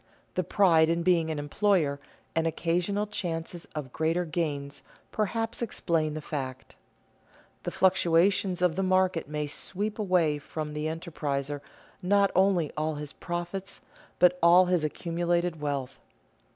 The pride in being an employer and occasional chances of greater gains perhaps explain the fact. The fluctuations of the market may sweep away from the enterpriser not only all his "profits," but all his accumulated wealth.